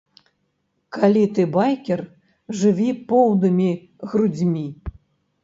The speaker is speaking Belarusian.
Калі ты байкер, жыві поўнымі грудзьмі!